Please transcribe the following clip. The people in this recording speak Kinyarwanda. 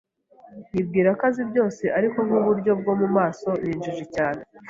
Yibwira ko azi byose ariko, nkuburyo bwo mumaso, ni injiji cyane.